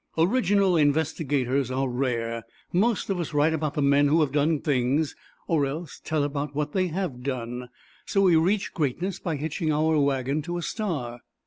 Original investigators are rare most of us write about the men who have done things, or else we tell about what they have done, and so we reach greatness by hitching our wagon to a star.